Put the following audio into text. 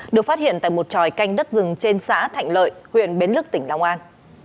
được phát hiện tại một tròi canh đất rừng trên xã thạnh lợi huyện bến lức tỉnh long an